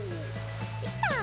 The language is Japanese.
できた。